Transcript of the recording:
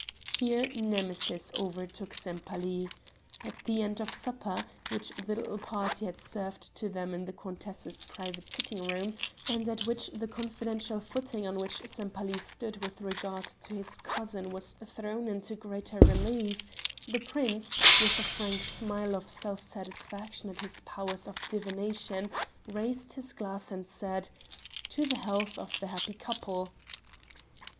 Here Nemesis overtook Sempaly. At the end of supper, which the little party had served to them in the countess' private sitting room, and at which the confidential footing on which Sempaly stood with regard to his cousin was thrown into greater relief, the prince, with a frank smile of self satisfaction at his powers of divination, raised his glass and said: "To the health of the happy couple."